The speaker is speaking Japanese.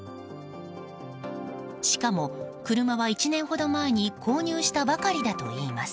しかも、車は１年ほど前に購入したばかりだといいます。